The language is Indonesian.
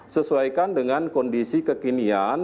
sesuaikan dengan kondisi kekinian